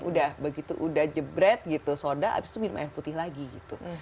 udah begitu udah jebret gitu soda abis itu minum air putih lagi gitu